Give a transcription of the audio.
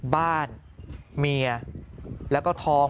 บ้านเมียแล้วก็ทอง